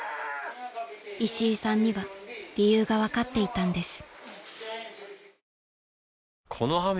［石井さんには理由が分かっていたんです］